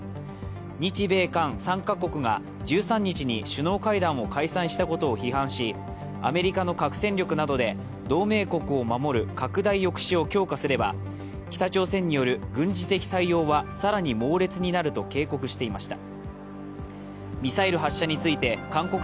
日米韓３か国が１３日に首脳会談を開催したことを批判しアメリカの核戦力などで同盟国を守る拡大抑止を強化すれば北朝鮮による軍事的対応は更に猛烈になると警告していました。